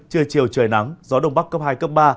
trưa chiều trời nắng gió đông bắc cấp hai cấp ba